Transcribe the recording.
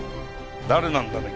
誰なんだね？